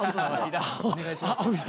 お願いします。